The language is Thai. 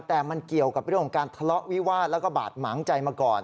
แต่มันเกี่ยวกับเรื่องของการทะเลาะวิวาดแล้วก็บาดหมางใจมาก่อน